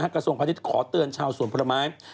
กระทรวงพาณิชย์ขอเตือนชาวสวนผลไม้